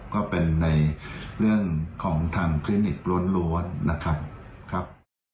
ก็เป็นในเรื่องของทางคลินิกล้วนนะครับ